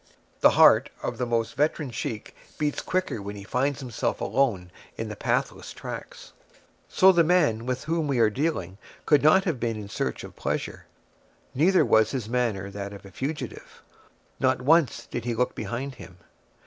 The heart of the most veteran sheik beats quicker when he finds himself alone in the pathless tracts. So the man with whom we are dealing could not have been in search of pleasure; neither was his manner that of a fugitive; not once did he look behind him.